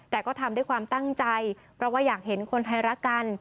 แต่ก็ทำด้วยความตั้งใจเพราะว่าอยากเห็นคนไทยรักกัน